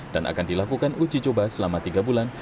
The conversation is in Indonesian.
dan akan dilakukan uji coba selama tiga bulan